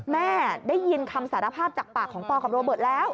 แม่ได้ยินคำสารภาพจากปากของปอล์กับตำรวจแล้ว